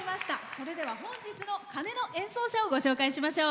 それでは、本日の鐘の演奏者をご紹介しましょう。